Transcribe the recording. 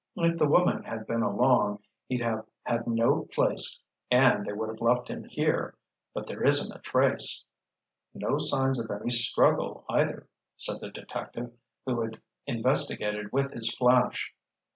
If the woman had been along he'd have had no place and they would have left him here. But there isn't a trace." "No signs of any struggle either," said the detective who had investigated with his flash.